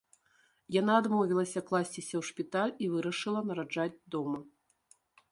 Яна адмовілася класціся ў шпіталь і вырашыла нараджаць дома.